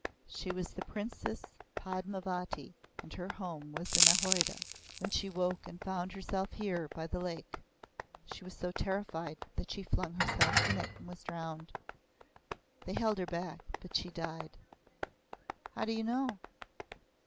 She was the Princess Padmavati, and her home was in Ayodhya. When she woke and found herself here by the lake she was so terrified that she flung herself in and was drowned. They held her back, but she died." "How do you know?"